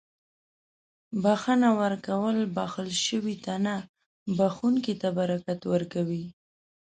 • بښنه ورکول بښل شوي ته نه، بښونکي ته برکت ورکوي.